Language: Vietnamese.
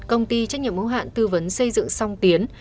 công ty trách nhiệm mẫu hạn tư vấn xây dựng song tiến